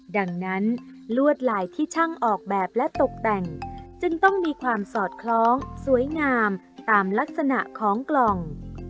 ดังนั้นลวดลายที่ช่างออกแบบและตกแต่งจึงต้องมีความสอดคล้องสวยงามตามลักษณะของกล่อง